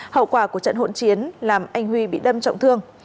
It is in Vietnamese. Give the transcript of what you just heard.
hậu quả của trận hỗn chiến làm anh huy bị đâm trọng thương